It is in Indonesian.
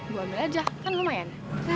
dua ambil aja kan lumayan